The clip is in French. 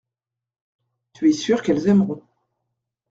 Tu es sûr qu’elles aimeront.